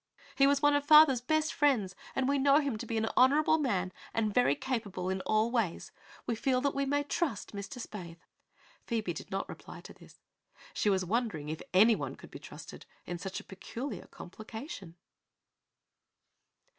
He was one of father's best friends and we know him to be an honorable man and very capable in all ways. We feel that we may trust Mr. Spaythe." Phoebe did not reply to this. She was wondering if anyone could be trusted in such a peculiar complication.